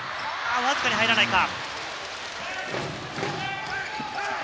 わずかに入らないか？